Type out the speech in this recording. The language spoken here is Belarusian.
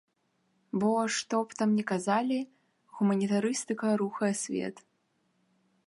Бо, што б там ні казалі, гуманітарыстыка рухае свет.